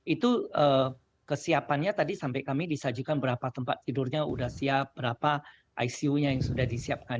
itu kesiapannya tadi sampai kami disajikan berapa tempat tidurnya sudah siap berapa icu nya yang sudah disiapkan